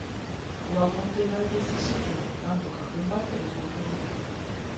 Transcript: オワコンと言われて久しいけど、なんとか踏ん張ってる状況